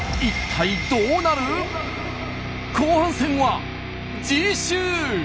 後半戦は次週！